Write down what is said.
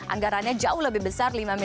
anggarannya jauh lebih besar lima miliar rupiah